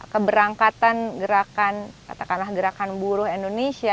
keberangkatan gerakan katakanlah gerakan buruh indonesia